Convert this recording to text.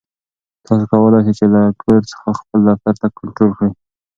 تاسو کولای شئ چې له کور څخه خپل دفتر کنټرول کړئ.